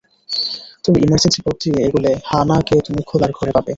তুমি ইমার্জেন্সি পথ দিয়ে এগোলে হা-না কে তুমি খেলার ঘরে পাবে।